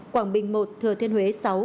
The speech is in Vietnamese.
quảng bình một thừa thiên huế sáu